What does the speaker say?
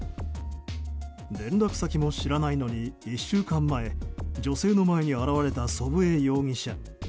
連絡先も知らないのに１週間前女性の前に現れた祖父江容疑者。